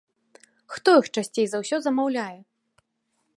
Хто іх часцей за ўсё замаўляе?